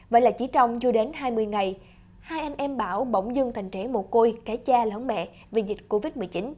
vậy là chỉ trong vừa đến hai mươi ngày hai anh em bảo bỗng dưng thành trẻ mồ côi cái cha lớn mẹ vì dịch covid một mươi chín